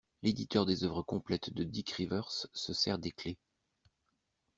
L'éditeur des oeuvres complètes de Dick Rivers se sert des clefs!